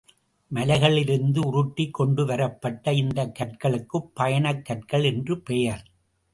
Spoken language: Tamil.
மலைகளிலிருந்து உருட்டிக் கொண்டுவரப்பட்ட இந்தக் கற்களுக்குப் பயணக் கற்கள் என்று பெயர்.